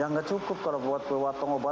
ya nggak cukup kalau buat pengobatan nggak cukup